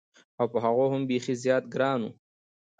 او په هغو هم بېخي زیات ګران و.